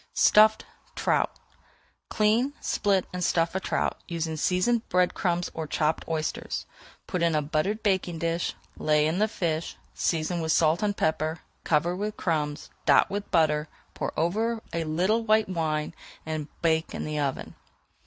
STUFFED TROUT Clean, split, and stuff a trout, using seasoned crumbs or chopped oysters. Put in a buttered baking dish, lay in the fish, season with salt and pepper, cover with crumbs, dot with butter, pour over a little white wine, and bake in the oven.